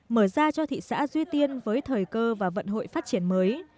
mở ra cho thị xã duy tiên với thời cơ và vận hội phát triển mới